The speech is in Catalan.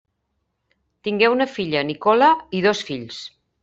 Tingué una filla, Nicola, i dos fills.